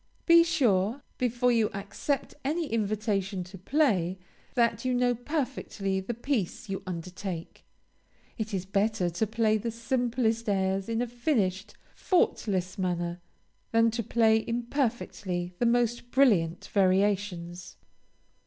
Be sure, before you accept any invitation to play, that you know perfectly the piece you undertake. It is better to play the simplest airs in a finished, faultless manner, than to play imperfectly the most brilliant variations.